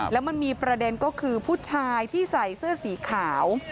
แล้วมันมีประเด็นก็คือผู้ชายที่ใส่เสื้อสีขาว